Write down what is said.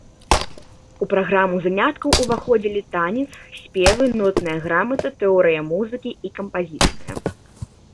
У праграму заняткаў уваходзілі танец, спевы, нотная грамата, тэорыя музыкі і кампазіцыя.